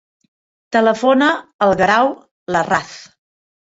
Telefona al Guerau Larraz.